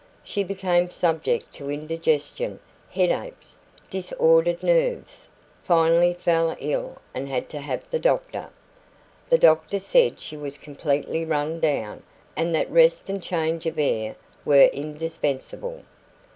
She became subject to indigestion, headaches, disordered nerves; finally fell ill and had to have the doctor. The doctor said she was completely run down, and that rest and change of air were indispensable.